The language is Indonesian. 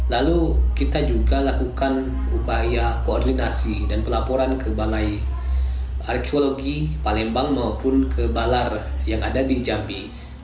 lalu kita juga lakukan upaya koordinasi dan pelaporan ke balai arkeologi palembang maupun ke balar yang ada di jambi